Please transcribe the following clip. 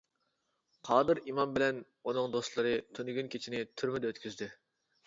قادىر ئىمام بىلەن بىلەن ئۇنىڭ دوستلىرى تۈنۈگۈن كېچىنى تۈرمىدە ئۆتكۈزدى.